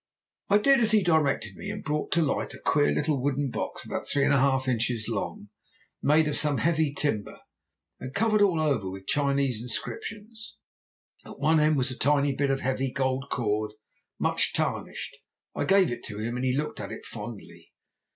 "I did as he directed me and brought to light a queer little wooden stick about three and a half inches long, made of some heavy timber and covered all over with Chinese inscriptions; at one end was a tiny bit of heavy gold cord much tarnished. I gave it to him and he looked at it fondly.